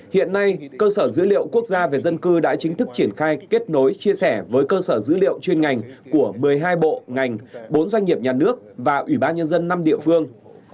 hiện nay cơ sở dữ liệu quốc gia về dân cư đã chính thức triển khai kết nối chia sẻ với cơ sở dữ liệu chuyên ngành của một mươi hai bộ ngành bốn doanh nghiệp nhà nước và ủy ban nhân dân năm địa phương